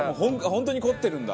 本当に凝ってるんだ。